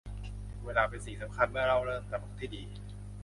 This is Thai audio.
เวลาเป็นสิ่งสำคัญเมื่อเล่าเรื่องตลกที่ดี